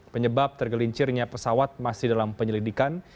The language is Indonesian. penyebab tergelincirnya pesawat masih dalam penyelidikan